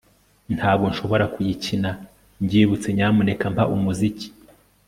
Ntabwo nshobora kuyikina mbyibutse Nyamuneka mpa umuziki